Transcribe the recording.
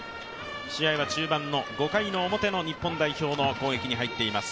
試合は中盤の５回表の日本代表の攻撃に入っています。